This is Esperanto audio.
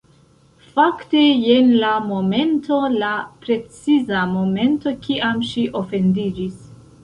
Fakte, jen la momento... la preciza momento kiam ŝi ofendiĝis